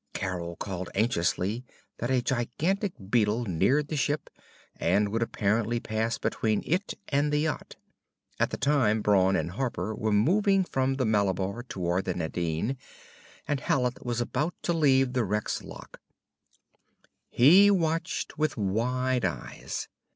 Carol called anxiously that a gigantic beetle neared the ship and would apparently pass between it and the yacht. At the time, Brawn and Harper were moving from the Malabar toward the Nadine, and Hallet was about to leave the wreck's lock. He watched with wide eyes.